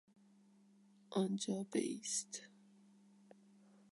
آنجا بایست.